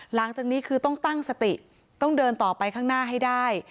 หลังจากนี้คือต้องตั้งสติต้องเดินต่อไปข้างหน้าให้ได้